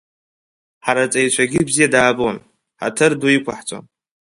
Ҳара аҵаҩцәагьы бзиа даабон, ҳаҭыр ду иқәаҳҵон.